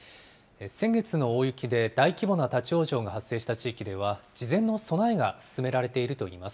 先月の大雪で大規模な立往生が発生した地域では、事前の備えが進められているといいます。